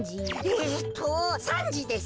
えっと３じです。